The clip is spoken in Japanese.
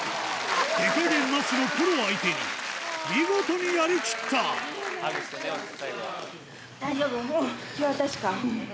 手加減なしのプロ相手に見事にやりきったハグしてね最後は。